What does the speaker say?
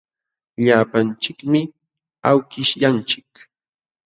Llapanchikmi awkishyanchik.